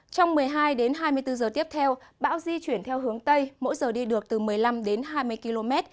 trong một mươi hai đến hai mươi bốn giờ tiếp theo bão di chuyển theo hướng tây mỗi giờ đi được từ một mươi năm đến hai mươi km